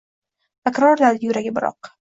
Takrorladi yuragi biroq